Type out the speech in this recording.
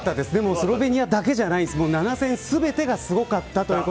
スロベニアだけじゃなくて７戦全てがすごかった。